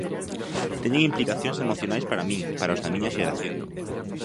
Teñen implicacións emocionais para min, para os da miña xeración.